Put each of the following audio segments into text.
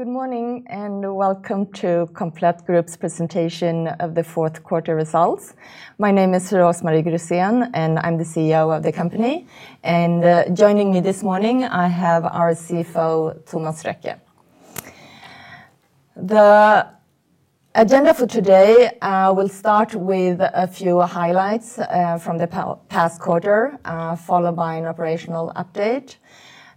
Good morning, and welcome to Komplett Group's presentation of the fourth quarter results. My name is Ros-Marie Grusén, and I'm the CEO of the company. Joining me this morning, I have our CFO, Thomas Røkke. The agenda for today, we'll start with a few highlights from the past quarter, followed by an operational update.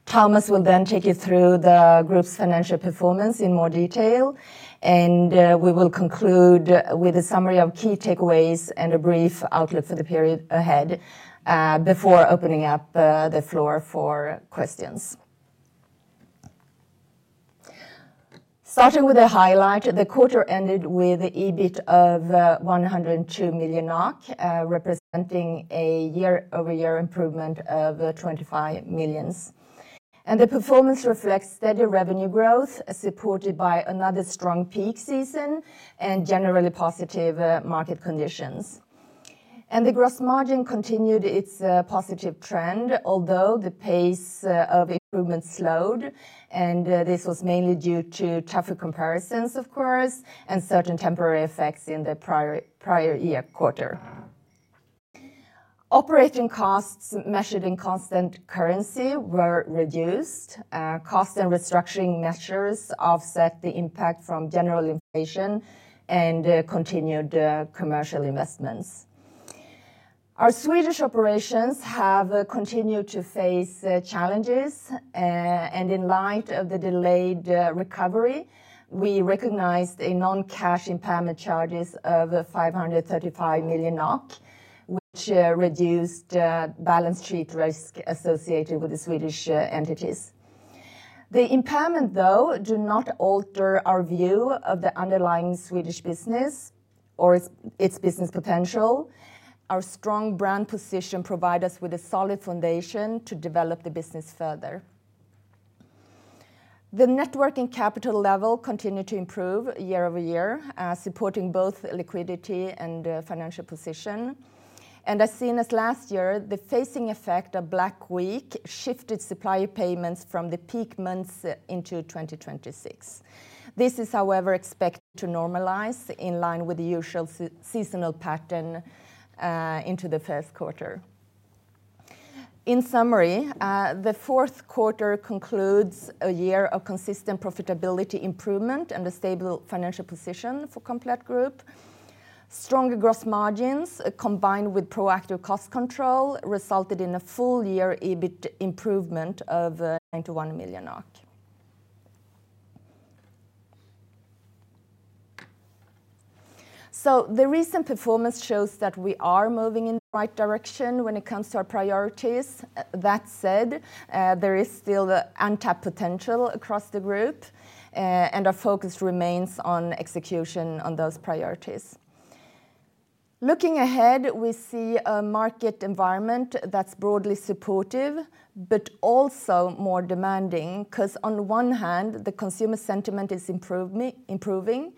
Thomas will then take you through the group's financial performance in more detail, and we will conclude with a summary of key takeaways and a brief outlook for the period ahead before opening up the floor for questions. Starting with a highlight, the quarter ended with EBIT of 102 million NOK, representing a year-over-year improvement of 25 million. The performance reflects steady revenue growth, supported by another strong peak season and generally positive market conditions. The gross margin continued its positive trend, although the pace of improvement slowed, and this was mainly due to tougher comparisons, of course, and certain temporary effects in the prior year quarter. Operating costs measured in constant currency were reduced. Cost and restructuring measures offset the impact from general inflation and continued commercial investments. Our Swedish operations have continued to face challenges. And in light of the delayed recovery, we recognized a non-cash impairment charges of 535 million NOK, which reduced balance sheet risk associated with the Swedish entities. The impairment, though, do not alter our view of the underlying Swedish business or its business potential. Our strong brand position provide us with a solid foundation to develop the business further. The net working capital level continued to improve year-over-year, supporting both liquidity and financial position. As seen last year, the phasing effect of Black Week shifted supplier payments from the peak months into 2026. This is, however, expected to normalize in line with the usual seasonal pattern into the first quarter. In summary, the fourth quarter concludes a year of consistent profitability improvement and a stable financial position for Komplett Group. Stronger gross margins, combined with proactive cost control, resulted in a full year EBIT improvement of NOK 91 million. The recent performance shows that we are moving in the right direction when it comes to our priorities. That said, there is still the untapped potential across the group, and our focus remains on execution on those priorities. Looking ahead, we see a market environment that's broadly supportive, but also more demanding, 'cause on one hand, the consumer sentiment is improving,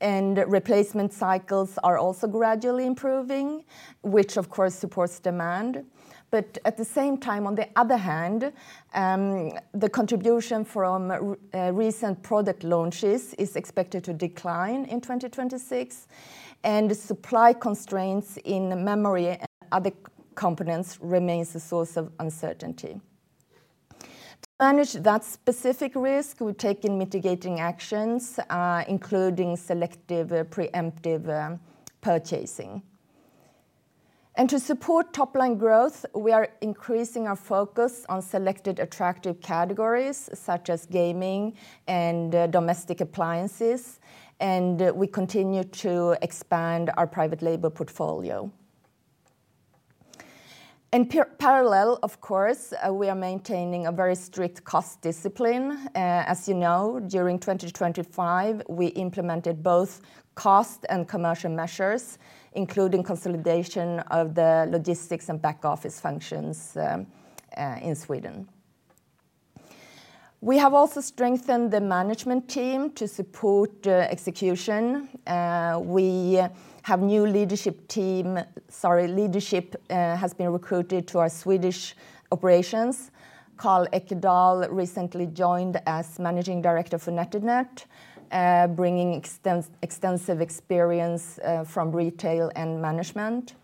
and replacement cycles are also gradually improving, which of course, supports demand. But at the same time, on the other hand, the contribution from recent product launches is expected to decline in 2026, and supply constraints in memory and other components remains a source of uncertainty. To manage that specific risk, we've taken mitigating actions, including selective, preemptive, purchasing. And to support top-line growth, we are increasing our focus on selected attractive categories, such as gaming and domestic appliances, and we continue to expand our private label portfolio. In parallel, of course, we are maintaining a very strict cost discipline. As you know, during 2025, we implemented both cost and commercial measures, including consolidation of the logistics and back office functions in Sweden. We have also strengthened the management team to support execution. We have new leadership has been recruited to our Swedish operations. Carl Ekedahl recently joined as Managing Director for NetOnNet, bringing extensive experience from retail and management.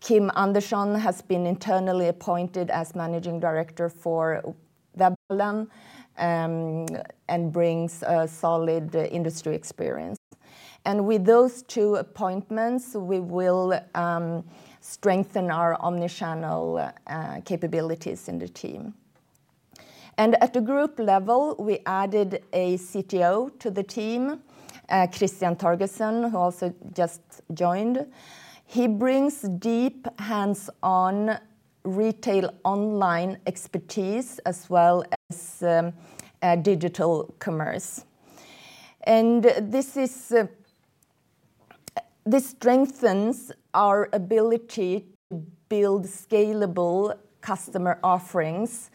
Kim Andersson has been internally appointed as Managing Director for Webhallen, and brings a solid industry experience. With those two appointments, we will strengthen our omni-channel capabilities in the team. At the group level, we added a CTO to the team, Christian Torgersen, who also just joined. He brings deep, hands-on retail online expertise, as well as digital commerce. This strengthens our ability to build scalable customer offerings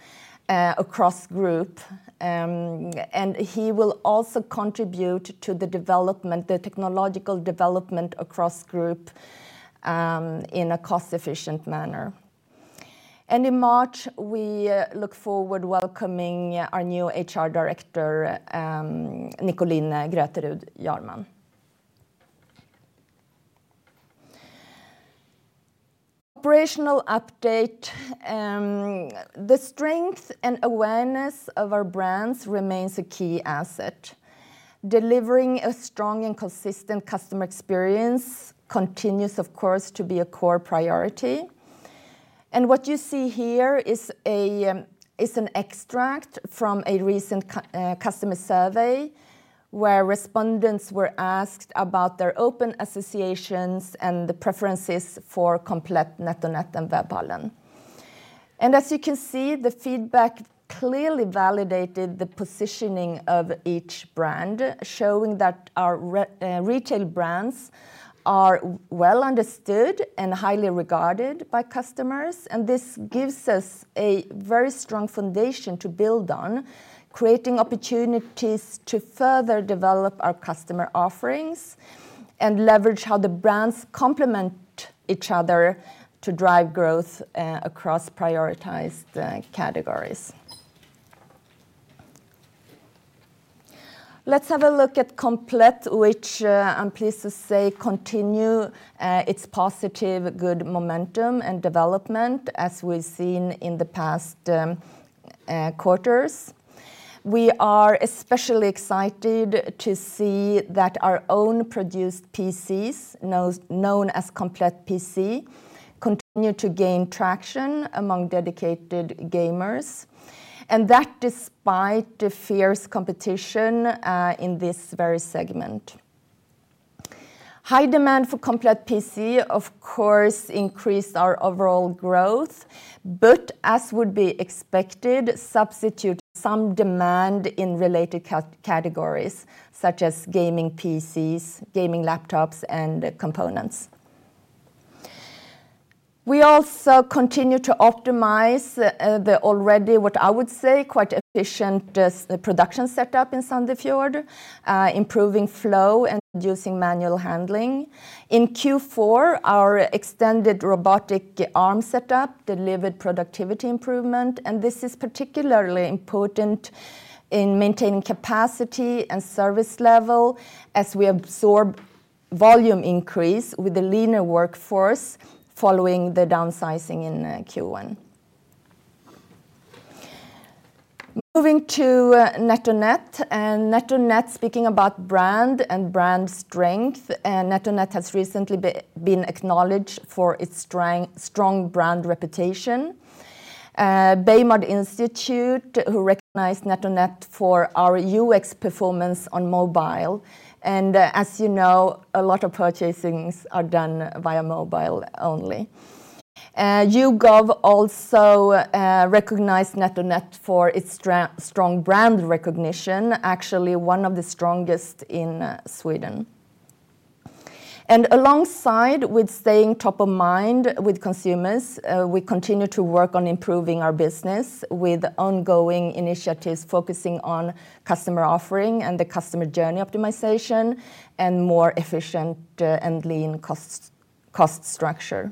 across group, and he will also contribute to the development, the technological development across group in a cost-efficient manner. In March, we look forward to welcoming our new HR director, Nikoline Grøterud Jahrmann. Operational update, the strength and awareness of our brands remains a key asset. Delivering a strong and consistent customer experience continues, of course, to be a core priority. What you see here is an extract from a recent customer survey, where respondents were asked about their open associations and the preferences for Komplett, NetOnNet, and Webhallen. As you can see, the feedback clearly validated the positioning of each brand, showing that our retail brands are well understood and highly regarded by customers. This gives us a very strong foundation to build on, creating opportunities to further develop our customer offerings and leverage how the brands complement each other to drive growth across prioritized categories. Let's have a look at Komplett, which I'm pleased to say continue its positive good momentum and development as we've seen in the past quarters. We are especially excited to see that our own produced PCs, known as Komplett PC, continue to gain traction among dedicated gamers, and that despite the fierce competition in this very segment. High demand for Komplett PC, of course, increased our overall growth, but as would be expected, substitute some demand in related categories, such as gaming PCs, gaming laptops, and components. We also continue to optimize the already, what I would say, quite efficient, just, production setup in Sandefjord, improving flow and reducing manual handling. In Q4, our extended robotic arm setup delivered productivity improvement, and this is particularly important in maintaining capacity and service level as we absorb volume increase with the leaner workforce following the downsizing in Q1. Moving to NetOnNet, and NetOnNet, speaking about brand and brand strength, NetOnNet has recently been acknowledged for its strong, strong brand reputation. Baymard Institute, who recognized NetOnNet for our UX performance on mobile, and as you know, a lot of purchases are done via mobile only. YouGov also recognized NetOnNet for its strong brand recognition, actually one of the strongest in Sweden. And alongside with staying top of mind with consumers, we continue to work on improving our business with ongoing initiatives, focusing on customer offering and the customer journey optimization, and more efficient and lean cost structure.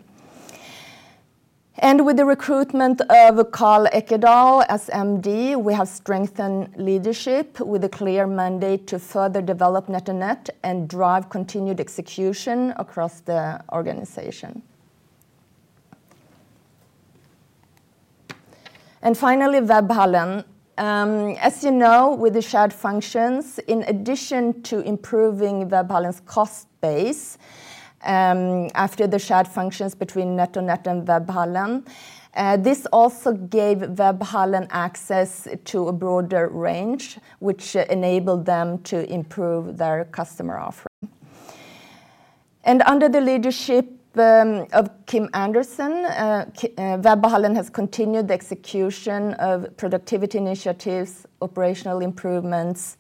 And with the recruitment of Carl Ekedahl as MD, we have strengthened leadership with a clear mandate to further develop NetOnNet and drive continued execution across the organization. And finally, Webhallen. As you know, with the shared functions, in addition to improving Webhallen's cost base, after the shared functions between NetOnNet and Webhallen, this also gave Webhallen access to a broader range, which enabled them to improve their customer offering. And under the leadership of Kim Andersson, Webhallen has continued the execution of productivity initiatives, operational improvements,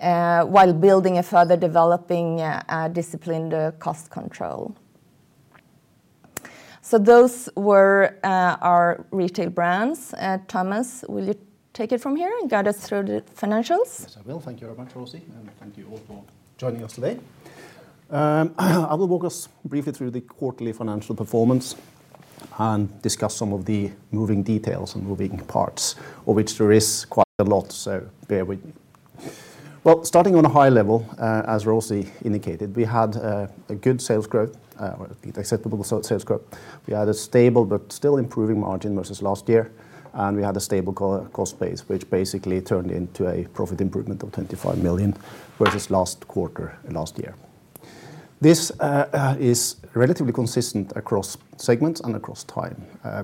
while building and further developing a disciplined cost control. Those were our retail brands. Thomas, will you take it from here and guide us through the financials? Yes, I will. Thank you very much, Ros-Marie, and thank you all for joining us today. I will walk us briefly through the quarterly financial performance and discuss some of the moving details and moving parts, of which there is quite a lot, so bear with me. Well, starting on a high level, as Ros-Marie indicated, we had a good sales growth, or acceptable sales growth. We had a stable but still improving margin versus last year, and we had a stable cost base, which basically turned into a profit improvement of 25 million, versus last quarter and last year. This is relatively consistent across segments and across time.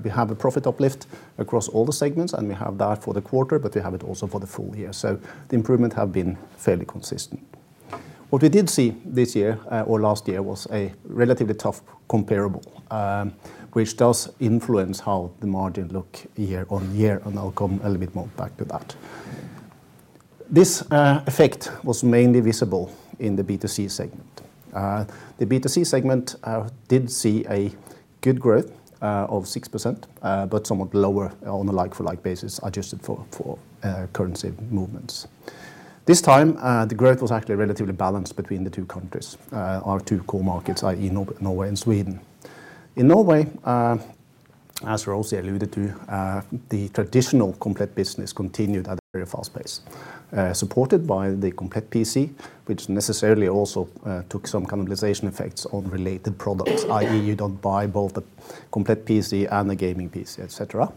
We have a profit uplift across all the segments, and we have that for the quarter, but we have it also for the full year, so the improvement have been fairly consistent. What we did see this year, or last year, was a relatively tough comparable, which does influence how the margins look year-on-year, and I'll come a little bit more back to that. This effect was mainly visible in the B2C segment. The B2C segment did see a good growth of 6%, but somewhat lower on a like-for-like basis, adjusted for currency movements. This time, the growth was actually relatively balanced between the two countries, our two core markets, i.e., Norway and Sweden. In Norway, as Ros-Marie alluded to, the traditional Komplett business continued at a very fast pace, supported by the Komplett PC, which necessarily also took some cannibalization effects on related products, i.e., you don't buy both the Komplett PC and the gaming PC, et cetera.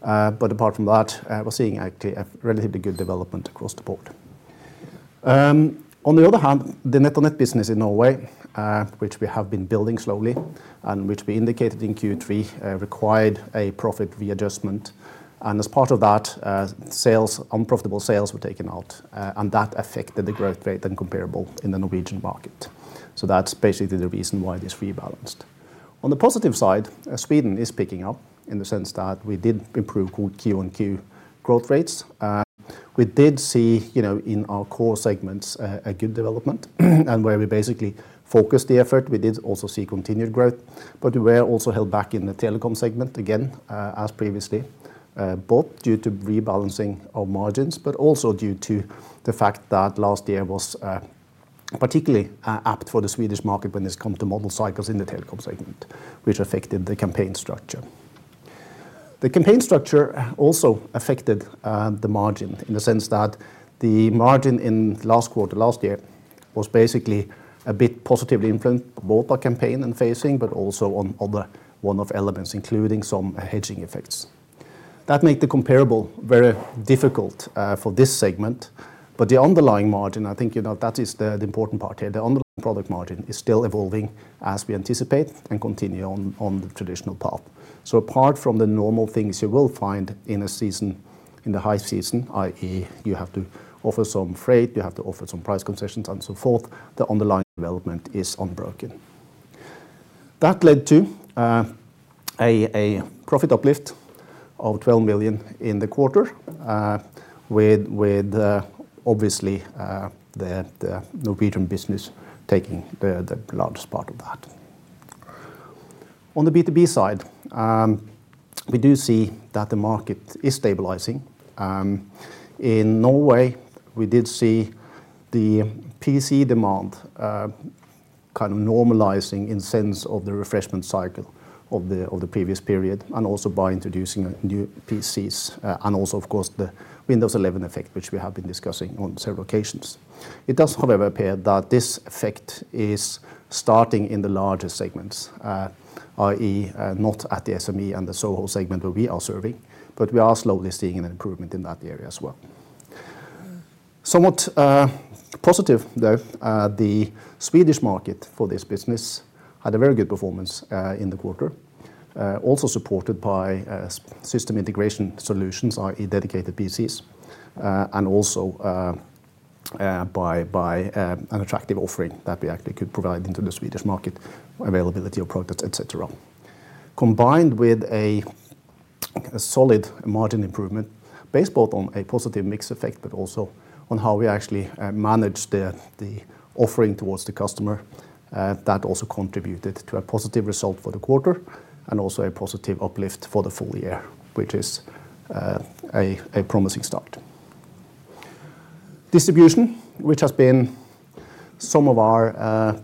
But apart from that, we're seeing actually a relatively good development across the board. On the other hand, the NetOnNet business in Norway, which we have been building slowly and which we indicated in Q3, required a profit readjustment, and as part of that, sales, unprofitable sales were taken out, and that affected the growth rate than comparable in the Norwegian market. So that's basically the reason why this rebalanced. On the positive side, Sweden is picking up in the sense that we did improve Q-on-Q growth rates. We did see, you know, in our core segments, a good development, and where we basically focused the effort, we did also see continued growth. But we were also held back in the telecom segment again, as previously, both due to rebalancing our margins, but also due to the fact that last year was, particularly, apt for the Swedish market when it come to model cycles in the telecom segment, which affected the campaign structure. The campaign structure also affected, the margin in the sense that the margin in last quarter, last year was basically a bit positively influenced, both by campaign and phasing, but also on other one-off elements, including some hedging effects. That make the comparable very difficult, for this segment, but the underlying margin, I think, you know, that is the important part here. The underlying product margin is still evolving as we anticipate and continue on the traditional path. Apart from the normal things you will find in a season, in the high season, i.e., you have to offer some freight, you have to offer some price concessions, and so forth, the underlying development is unbroken. That led to a profit uplift of 12 million in the quarter, with obviously the Norwegian business taking the largest part of that. On the B2B side, we do see that the market is stabilizing. In Norway, we did see the PC demand kind of normalizing in the sense of the refresh cycle of the previous period, and also by introducing new PCs, and also, of course, the Windows 11 effect, which we have been discussing on several occasions. It does, however, appear that this effect is starting in the larger segments, i.e., not at the SME and the SOHO segment where we are serving, but we are slowly seeing an improvement in that area as well. Somewhat positive, though, the Swedish market for this business had a very good performance in the quarter, also supported by system integration solutions, i.e., dedicated PCs, and also by an attractive offering that we actually could provide into the Swedish market, availability of products, et cetera. Combined with a solid margin improvement based both on a positive mix effect, but also on how we actually manage the offering towards the customer, that also contributed to a positive result for the quarter and also a positive uplift for the full year, which is a promising start. Distribution, which has been some of our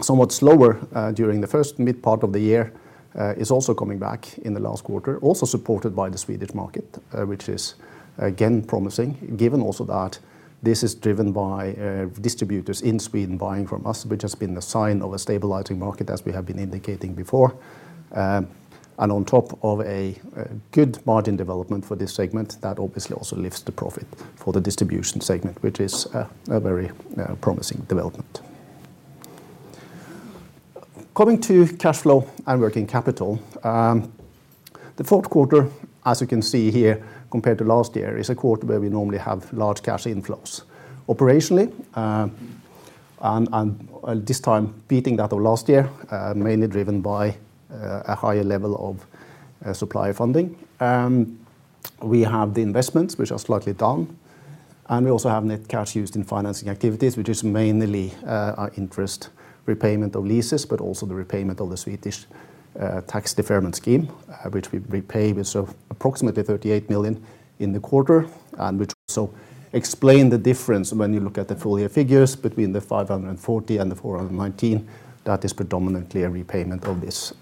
somewhat slower during the first mid part of the year, is also coming back in the last quarter, also supported by the Swedish market, which is again promising, given also that this is driven by distributors in Sweden buying from us, which has been a sign of a stabilizing market as we have been indicating before. And on top of a good margin development for this segment, that obviously also lifts the profit for the distribution segment, which is a very promising development. Coming to cash flow and working capital, the fourth quarter, as you can see here, compared to last year, is a quarter where we normally have large cash inflows. Operationally, and this time, beating that of last year, mainly driven by a higher level of supplier funding. We have the investments, which are slightly down, and we also have net cash used in financing activities, which is mainly our interest repayment of leases, but also the repayment of the Swedish tax deferment scheme, which we repay with so approximately 38 million in the quarter, and which also explain the difference when you look at the full year figures between the 540 million and the 419 million. That is predominantly a repayment of this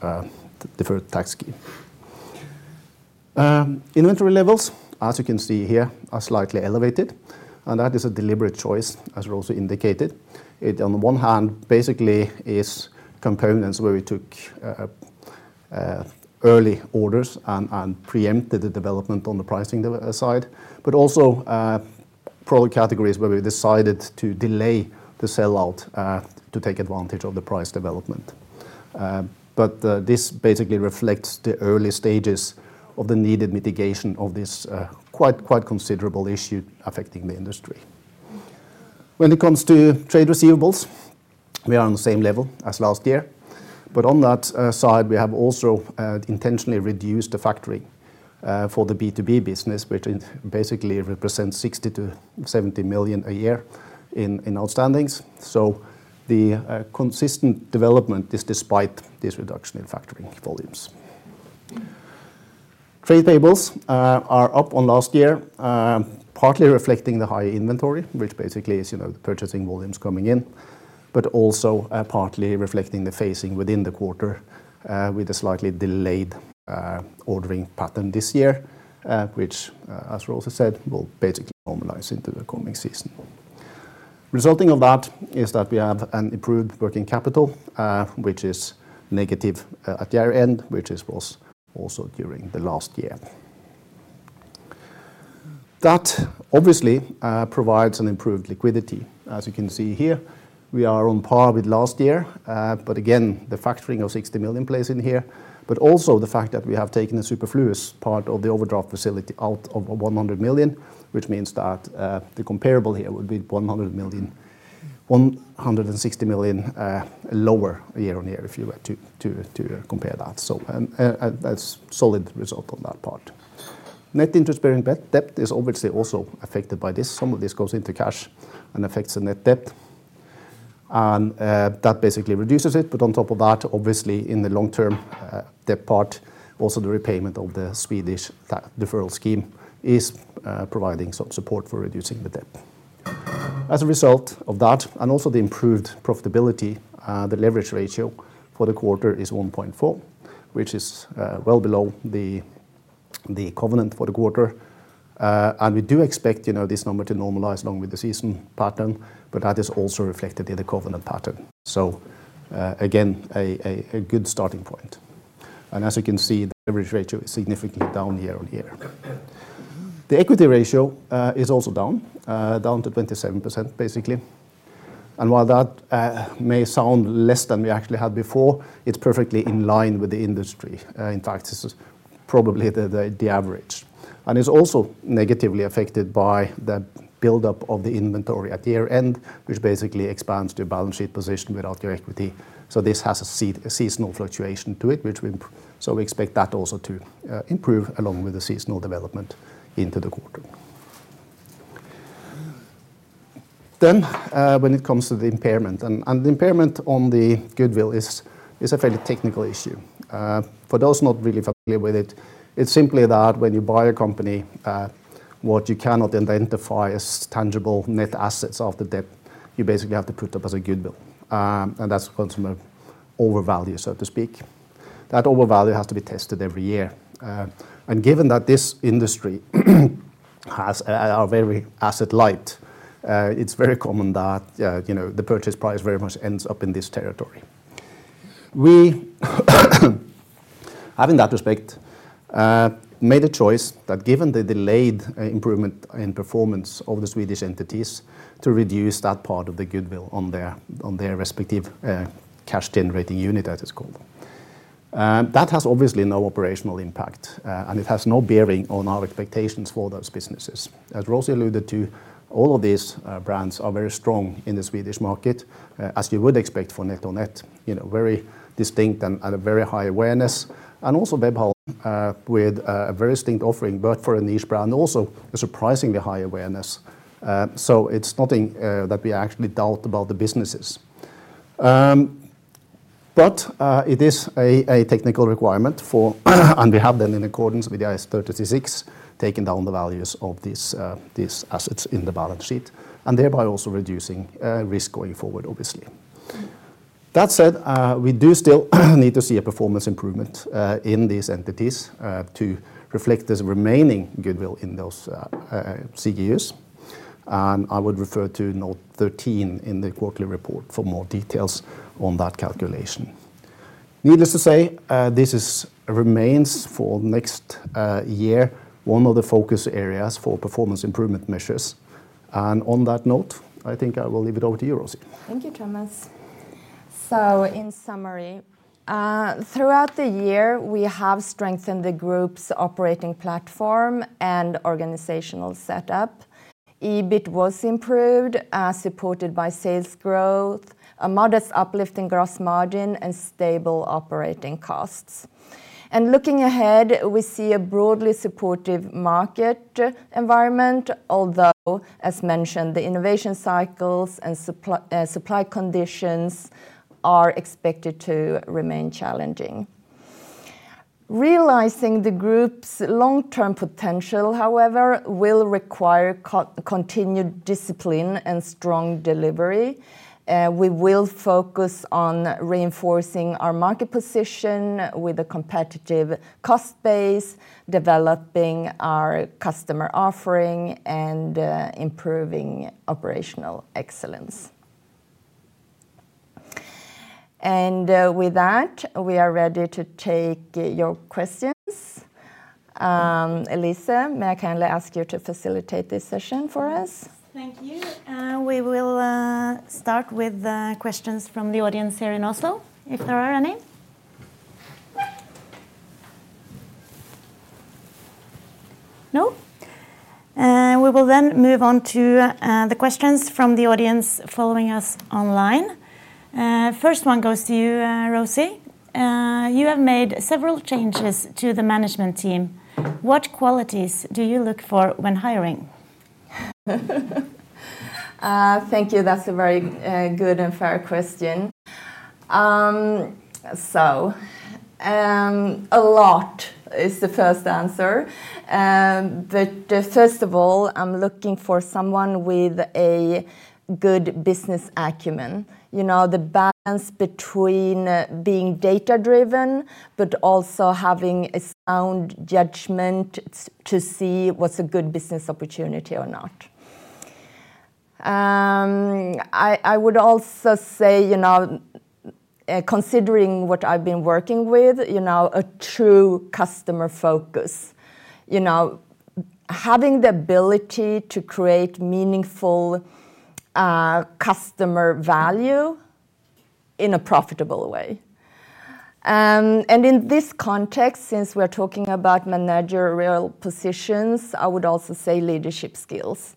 deferred tax scheme. Inventory levels, as you can see here, are slightly elevated, and that is a deliberate choice, as we also indicated. It, on the one hand, basically is components where we took early orders and preempted the development on the pricing side, but also product categories where we decided to delay the sell-out to take advantage of the price development. But this basically reflects the early stages of the needed mitigation of this quite considerable issue affecting the industry. When it comes to trade receivables, we are on the same level as last year, but on that side, we have also intentionally reduced the factoring for the B2B business, which basically represents 60 million-70 million a year in outstandings. So the consistent development is despite this reduction in factoring volumes. Trade tables are up on last year, partly reflecting the high inventory, which basically is, you know, the purchasing volumes coming in, but also partly reflecting the phasing within the quarter, with a slightly delayed ordering pattern this year, which, as Ros-Marie said, will basically normalize into the coming season. Resulting of that is that we have an improved working capital, which is negative at the year-end, which is, was also during the last year. That obviously provides an improved liquidity. As you can see here, we are on par with last year, but again, the factoring of 60 million plays in here, but also the fact that we have taken the superfluous part of the overdraft facility out of 100 million, which means that, the comparable here would be 100 million-160 million, lower year-on-year, if you were to, to, to compare that. So, that's solid result on that part. Net interest-bearing debt is obviously also affected by this. Some of this goes into cash and affects the net debt, and, that basically reduces it. But on top of that, obviously, in the long term, debt part, also the repayment of the Swedish tax deferral scheme is, providing some support for reducing the debt. As a result of that, and also the improved profitability, the leverage ratio for the quarter is 1.4, which is well below the covenant for the quarter. And we do expect, you know, this number to normalize along with the season pattern, but that is also reflected in the covenant pattern. So, again, a good starting point. And as you can see, the average ratio is significantly down year-on-year. The equity ratio is also down to 27%, basically. And while that may sound less than we actually had before, it's perfectly in line with the industry. In fact, this is probably the average. And it's also negatively affected by the buildup of the inventory at the year-end, which basically expands the balance sheet position without your equity. So this has a seasonal fluctuation to it, which we expect that also to improve along with the seasonal development into the quarter. Then, when it comes to the impairment, and the impairment on the goodwill is a fairly technical issue. For those not really familiar with it, it's simply that when you buy a company, what you cannot identify as tangible net assets or the debt, you basically have to put up as a goodwill. And that's going to overvalue, so to speak. That overvalue has to be tested every year. And given that this industry is very asset light, it's very common that, you know, the purchase price very much ends up in this territory. We, having that respect, made a choice that given the delayed improvement in performance of the Swedish entities, to reduce that part of the goodwill on their, on their respective cash generating unit, as it's called. That has obviously no operational impact, and it has no bearing on our expectations for those businesses. As Ros-Marie alluded to, all of these brands are very strong in the Swedish market, as you would expect for NetOnNet, you know, very distinct and, and a very high awareness, and also Webhallen, with a very distinct offering, but for a niche brand, also a surprisingly high awareness. So it's nothing that we actually doubt about the businesses. But it is a technical requirement for and we have then, in accordance with the IAS 36, taken down the values of these assets in the balance sheet, and thereby also reducing risk going forward, obviously. That said, we do still need to see a performance improvement in these entities to reflect this remaining goodwill in those CGUs. And I would refer to note 13 in the quarterly report for more details on that calculation. Needless to say, this remains for next year, one of the focus areas for performance improvement measures. And on that note, I think I will leave it over to you, Ros-Marie. Thank you, Thomas. So in summary, throughout the year, we have strengthened the group's operating platform and organizational setup. EBIT was improved, supported by sales growth, a modest uplift in gross margin, and stable operating costs. And looking ahead, we see a broadly supportive market environment, although, as mentioned, the innovation cycles and supply conditions are expected to remain challenging. Realizing the group's long-term potential, however, will require continued discipline and strong delivery. We will focus on reinforcing our market position with a competitive cost base, developing our customer offering, and improving operational excellence. And with that, we are ready to take your questions. Elise, may I kindly ask you to facilitate this session for us? Thank you. We will start with the questions from the audience here in Oslo, if there are any? No? We will then move on to the questions from the audience following us online. First one goes to you, Ros-Marie. You have made several changes to the management team. What qualities do you look for when hiring? Thank you. That's a very good and fair question. So, a lot is the first answer. But first of all, I'm looking for someone with a good business acumen. You know, the balance between being data-driven, but also having a sound judgment to see what's a good business opportunity or not. I would also say, you know, considering what I've been working with, you know, a true customer focus. You know, having the ability to create meaningful customer value in a profitable way. And in this context, since we're talking about managerial positions, I would also say leadership skills.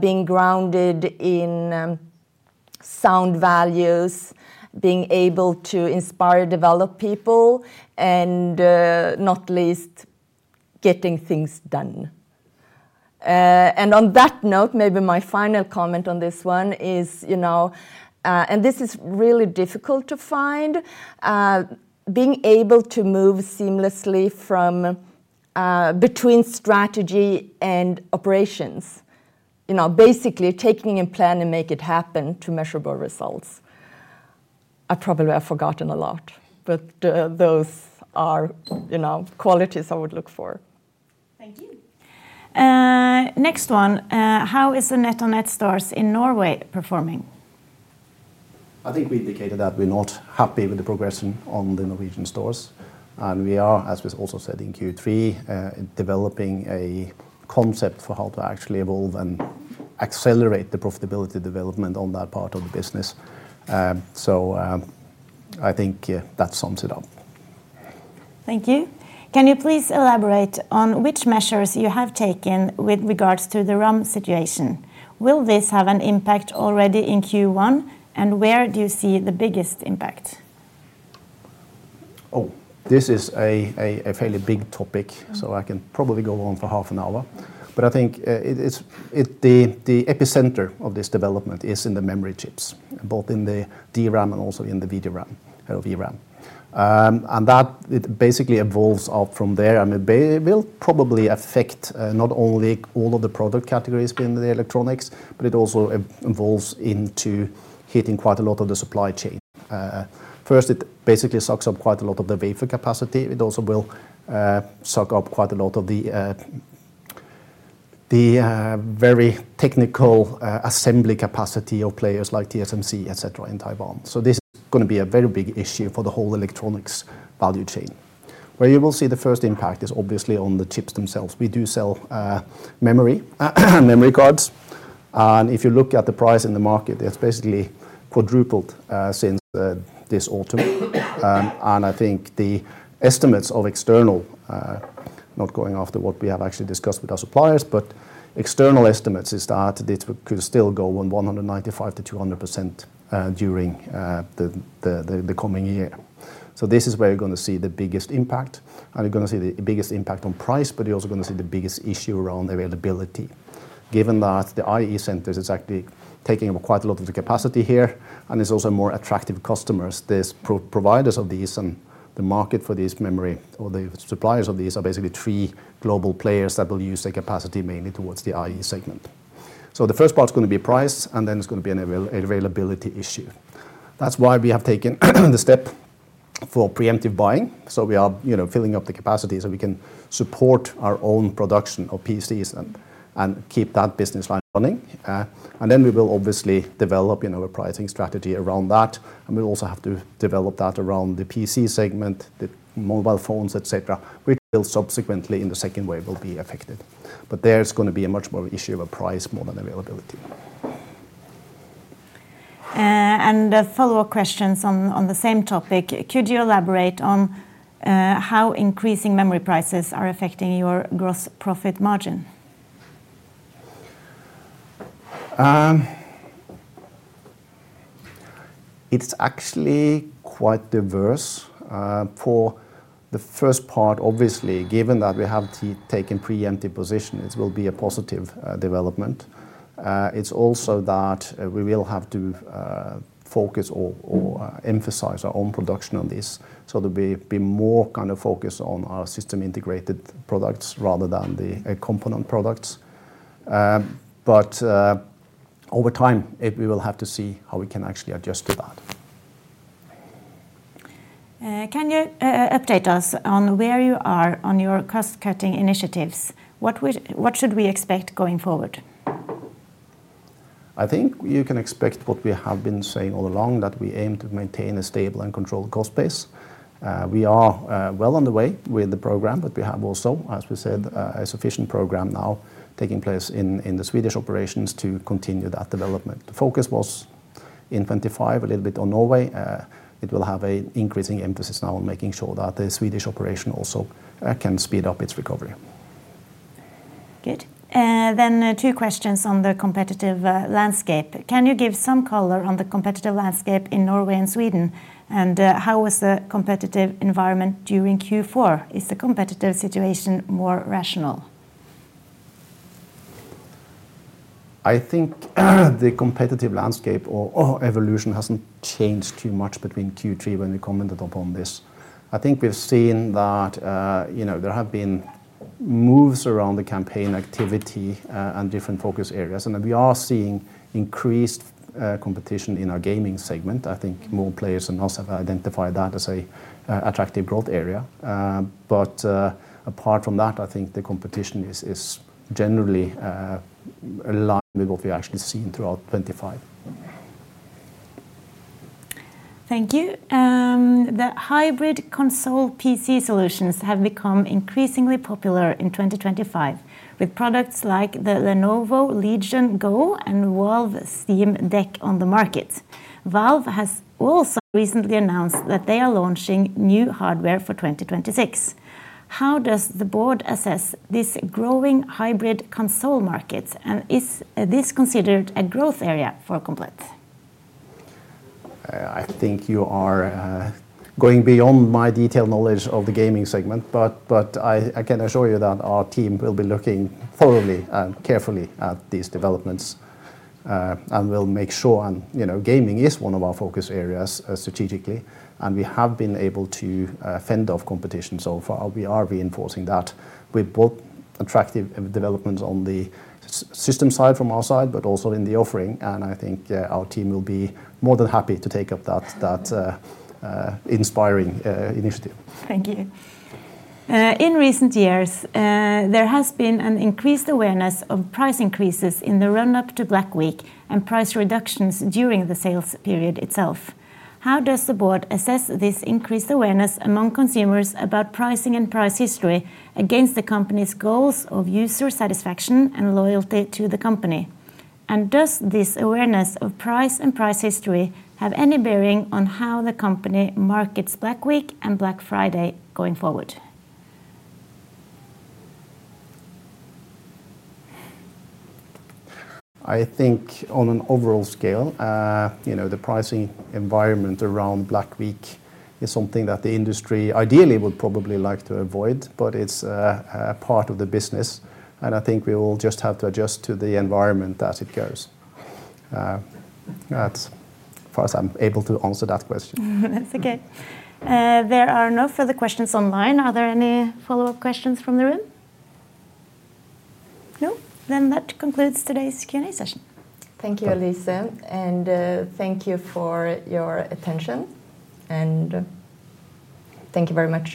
Being grounded in sound values, being able to inspire, develop people, and not least, getting things done. And on that note, maybe my final comment on this one is, you know, and this is really difficult to find, being able to move seamlessly from between strategy and operations. You know, basically taking a plan and make it happen to measurable results. I probably have forgotten a lot, but, those are, you know, qualities I would look for. Thank you. Next one: How is the NetOnNet stores in Norway performing? I think we indicated that we're not happy with the progression on the Norwegian stores, and we are, as was also said in Q3, developing a concept for how to actually evolve and accelerate the profitability development on that part of the business. So, I think, yeah, that sums it up. Thank you. Can you please elaborate on which measures you have taken with regards to the RAM situation? Will this have an impact already in Q1, and where do you see the biggest impact? Oh, this is a fairly big topic, so I can probably go on for half an hour. But I think it is the epicenter of this development is in the memory chips, both in the DRAM and also in the VRAM. And that, it basically evolves out from there, and it will probably affect not only all of the product categories within the electronics, but it also evolves into hitting quite a lot of the supply chain. First, it basically sucks up quite a lot of the wafer capacity. It also will suck up quite a lot of the very technical assembly capacity of players like TSMC, et cetera, in Taiwan. So this is gonna be a very big issue for the whole electronics value chain. Where you will see the first impact is obviously on the chips themselves. We do sell memory, memory cards, and if you look at the price in the market, it's basically quadrupled since this autumn. And I think the estimates of external not going after what we have actually discussed with our suppliers, but external estimates is that it could still go on 195%-200% during the coming year. So this is where you're gonna see the biggest impact, and you're gonna see the biggest impact on price, but you're also gonna see the biggest issue around availability. Given that the AI centers is actually taking up quite a lot of the capacity here, and it's also more attractive customers. There are providers of these and the market for this memory, or the suppliers of these, are basically three global players that will use their capacity mainly towards the AI segment. So the first part is gonna be price, and then it's gonna be an availability issue. That's why we have taken the step for preemptive buying. So we are, you know, filling up the capacity so we can support our own production of PCs and keep that business line running. And then we will obviously develop, you know, a pricing strategy around that, and we also have to develop that around the PC segment, the mobile phones, et cetera, which will subsequently, in the second wave, will be affected. But there's gonna be a much more issue of a price more than availability. A follow-up question on the same topic. Could you elaborate on how increasing memory prices are affecting your gross profit margin? It's actually quite diverse. For the first part, obviously, given that we have taken preemptive position, it will be a positive development. It's also that we will have to focus or emphasize our own production on this. So there'll be more kind of focus on our system-integrated products rather than the component products. But over time, we will have to see how we can actually adjust to that. Can you update us on where you are on your cost-cutting initiatives? What should we expect going forward? I think you can expect what we have been saying all along, that we aim to maintain a stable and controlled cost base. We are well on the way with the program, but we have also, as we said, a sufficient program now taking place in the Swedish operations to continue that development. The focus was in 2025, a little bit on Norway. It will have a increasing emphasis now on making sure that the Swedish operation also can speed up its recovery. Good. Then, two questions on the competitive landscape. Can you give some color on the competitive landscape in Norway and Sweden? How was the competitive environment during Q4? Is the competitive situation more rational? ... I think the competitive landscape or evolution hasn't changed too much between Q3 when we commented upon this. I think we've seen that, you know, there have been moves around the campaign activity, and different focus areas, and that we are seeing increased competition in our gaming segment. I think more players have also identified that as a attractive growth area. But, apart from that, I think the competition is generally in line with what we actually seen throughout 2025. Thank you. The hybrid console PC solutions have become increasingly popular in 2025, with products like the Lenovo Legion Go and Valve Steam Deck on the market. Valve has also recently announced that they are launching new hardware for 2026. How does the board assess this growing hybrid console market, and is this considered a growth area for Komplett? I think you are going beyond my detailed knowledge of the gaming segment, but I can assure you that our team will be looking thoroughly and carefully at these developments. And we'll make sure, and, you know, gaming is one of our focus areas, strategically, and we have been able to fend off competition so far. We are reinforcing that with both attractive developments on the system side from our side, but also in the offering, and I think our team will be more than happy to take up that inspiring initiative. Thank you. In recent years, there has been an increased awareness of price increases in the run-up to Black Week and price reductions during the sales period itself. How does the board assess this increased awareness among consumers about pricing and price history against the company's goals of user satisfaction and loyalty to the company? And does this awareness of price and price history have any bearing on how the company markets Black Week and Black Friday going forward? I think on an overall scale, you know, the pricing environment around Black Week is something that the industry ideally would probably like to avoid, but it's a part of the business, and I think we will just have to adjust to the environment as it goes. That's as far as I'm able to answer that question. That's okay. There are no further questions online. Are there any follow-up questions from the room? No? Then that concludes today's Q&A session. Thank you, Elise, and thank you for your attention, and thank you very much.